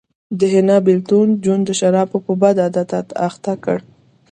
د حنا بېلتون جون د شرابو په بد عادت اخته کړ